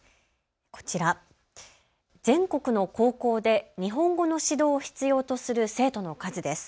こちら、全国の高校で日本語の指導を必要とする生徒の数です。